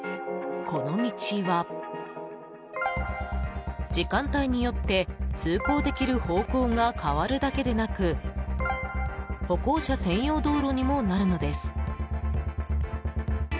この道は、時間帯によって通行できる方向が変わるだけでなく歩行者専用道路にもなるのです。